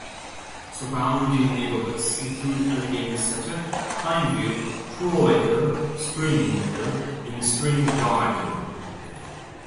Surrounding neighborhoods include Allegheny Center, Fineview, Troy Hill, Spring Hill, and Spring Garden.